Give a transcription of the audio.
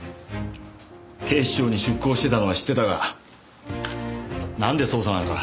警視庁に出向してたのは知ってたがなんで捜査なんか？